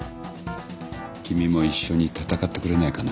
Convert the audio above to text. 君も一緒に戦ってくれないかな。